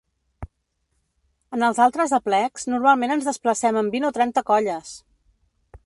En els altres aplecs normalment ens desplacem amb vint o trenta colles!